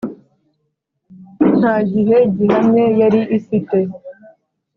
nta gihe gihamye yari ifite .